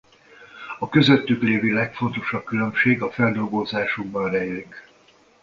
A közöttük lévő legfontosabb különbség a feldolgozásukban rejlik.